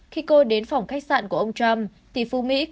khi cô đến phòng khách sạn của ông trump